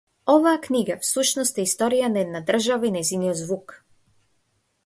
Оваа книга, всушност, е историја на една држава и нејзиниот звук.